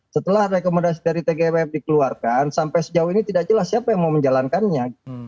setelah rekomendasi dari tgwf dikeluarkan sampai sejauh ini tidak jelas siapa yang mau menjalankannya